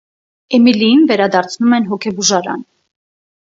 Էմիլիին վերդարձնում են հոգեբուժարան։